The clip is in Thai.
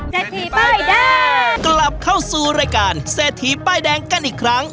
เศรษฐีป้ายแดงกลับเข้าสู่รายการเศรษฐีป้ายแดงกันอีกครั้ง